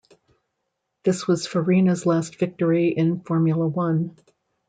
This was Farina's last victory in Formula One.